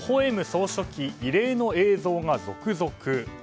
総書記異例の映像が続々。